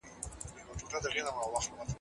که ماشوم ته پاملرنه وسي نو هغه نه بې سواده کېږي.